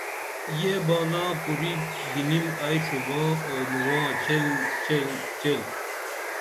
یہ باںا کُری بنِم ائی شوباں او نواں چیل چیل چیل